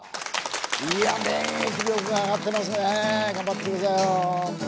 いや免疫力が上がってますね頑張ってくださいよ。